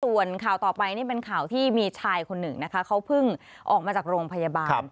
ส่วนข่าวต่อไปนี่เป็นข่าวที่มีชายคนหนึ่งนะคะเขาเพิ่งออกมาจากโรงพยาบาล